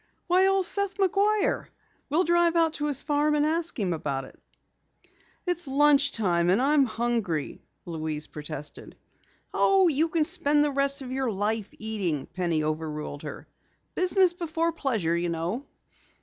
"Why, old Seth McGuire. We'll drive out to his farm and ask him about it." "It's lunch time and I'm hungry," Louise protested. "Oh, you can spend the rest of your life eating," Penny overruled her. "Business before pleasure, you know."